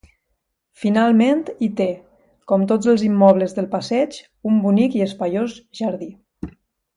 Finalment, hi té, com tots els immobles del passeig, un bonic i espaiós jardí.